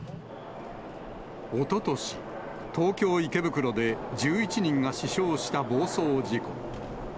おととし、東京・池袋で１１人が死傷した暴走事故。